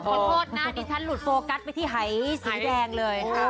ขอโทษนะดิฉันหลุดโฟกัสไปที่หายสีแดงเลย